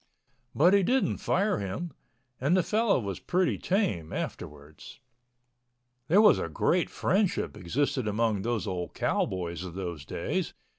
But he didn't fire him, and the fellow was pretty tame afterwards. There was a great friendship existed among those old cowboys of those days.